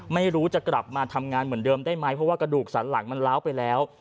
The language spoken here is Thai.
ไม่รู้จะกลับมาทำงานเหมือนเดิมได้ไหมเพราะว่ากระดูกสันหลังมันล้าวไปแล้ว